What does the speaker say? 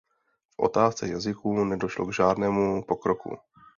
V otázce jazyků nedošlo k žádnému pokroku.